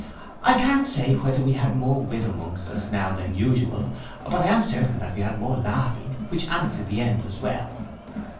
I can't say whether we had more wit amongst us now than usual; but I am certain we had more laughing, which answered the end as well.